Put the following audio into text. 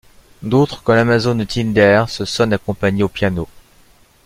D'autres, comme l'Amazone, de Tyndare, se sonnent accompagnés au piano.